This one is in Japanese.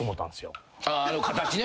あの形ね。